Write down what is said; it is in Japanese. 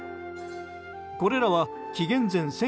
これらは紀元前